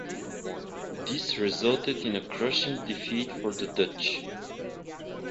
This resulted in a crushing defeat for the Dutch.